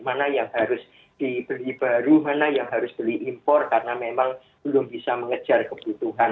mana yang harus dibeli baru mana yang harus beli impor karena memang belum bisa mengejar kebutuhan